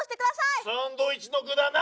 サンドイッチの具だな？